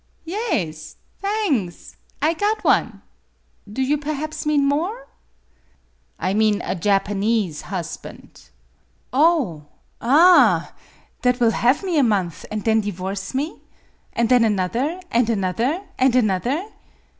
"Yaes. Thangs; I got one. Do you perhaps mean more ?" "I mean a Japanese husband." " Oh ah ? That will have me a month, and then divorce me ? And then another, and another, and another